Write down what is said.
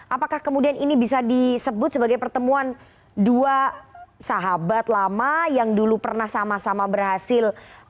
apakah kemudian ini bisa disebut sebagai pertemuan dua sahabat lama yang dulu pernah sama sama berhasil